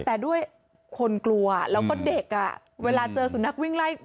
แต่ด้วยคนกลัวแล้วก็เด็กเวลาเจอสุนัขวิ่งไล่